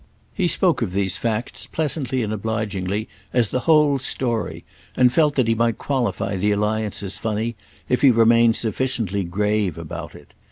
He spoke of these facts, pleasantly and obligingly, as "the whole story," and felt that he might qualify the alliance as funny if he remained sufficiently grave about it.